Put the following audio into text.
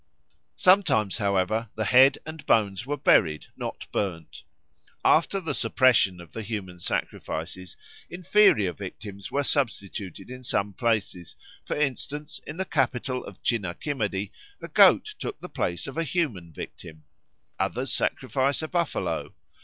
Sometimes, however, the head and bones were buried, not burnt. After the suppression of the human sacrifices, inferior victims were substituted in some places; for instance, in the capital of Chinna Kimedy a goat took the place of the human victim. Others sacrifice a buffalo.